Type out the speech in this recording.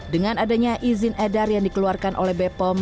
dengan adanya izin edar yang dikeluarkan oleh bepom